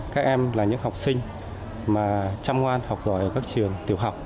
các em là những học sinh mà chăm ngoan học giỏi ở các trường tiểu học